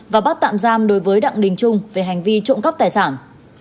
và bắt tạm giam đối với đặng đình trung về hành vi trộm cắp tài sản